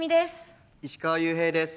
石川裕平です。